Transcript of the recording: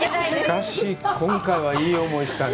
しかし、今回はいい思いしたね。